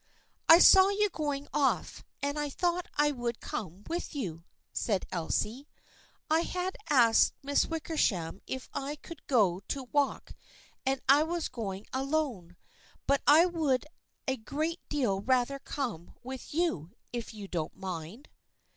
" I saw you going off, and I thought I would come with you," said Elsie. " 1 had asked Miss Wickersham if I could go to walk and I was going alone, but I would a great deal rather come with you, if you don't mind."